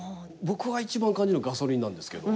僕は一番感じるのガソリンなんですけど。